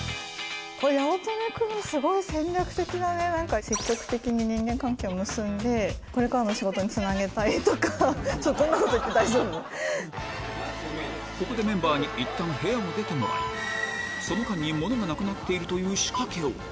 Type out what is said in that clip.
八乙女君、すごい戦略的なね、なんか積極的に人間関係を結んで、これからの仕事につなげたいとか、ちょっと、こんなこと言って大丈ここでメンバーにいったん部屋を出てもらい、その間に物がなくなっているという仕掛けを。